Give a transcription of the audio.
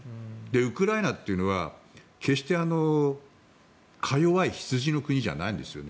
ウクライナというのは決して、か弱い羊の国じゃないんですよね。